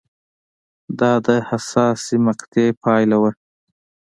دا د حساسې مقطعې پایله وه